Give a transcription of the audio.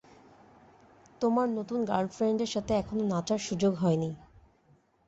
তোমার নতুন গার্লফ্রেন্ডের সাথে এখনও নাচার সুযোগ হয়নি।